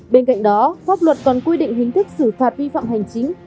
bên cạnh đó pháp luật còn quy định hình thức xử phạt vi phạm hành chính